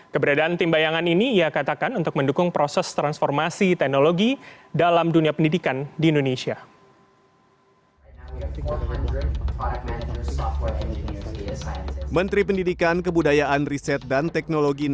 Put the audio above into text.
keberadaan tim bayangan ini ia katakan untuk mendukung proses transformasi teknologi